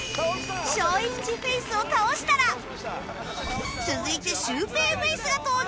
松陰寺フェイスを倒したら続いてシュウペイフェイスが登場